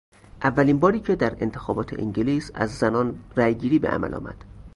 اولین باری که در انتخابات انگلیس از زنان رای گیری به عمل آمد